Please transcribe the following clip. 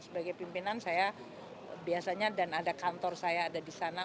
sebagai pimpinan saya biasanya dan ada kantor saya ada di sana